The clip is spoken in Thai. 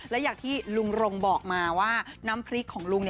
และอย่างที่ลุงรงบอกมาว่าน้ำพริกของลุง